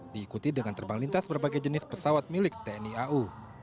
diikuti dengan terbang lintas berbagai jenis pesawat milik tni au